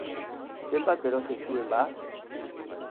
Zenbat berotzen zuen, ba?